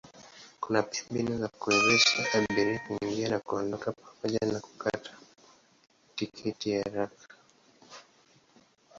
Kuna pia mbinu za kuwezesha abiria kuingia na kuondoka pamoja na kukata tiketi haraka.